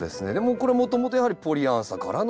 これもともとやはりポリアンサからの。